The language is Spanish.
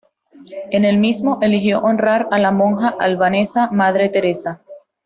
En el mismo eligió honrar a la monja albanesa Madre Teresa.